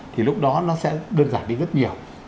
thì lúc đó nó sẽ đơn giản đi rất nhiều